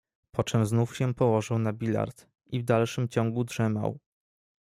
"Poczem znów się położył na bilard i w dalszym ciągu drzemał."